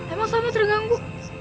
emang soalnya terganggu